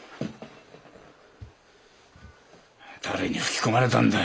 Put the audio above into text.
誰に吹き込まれたんだ。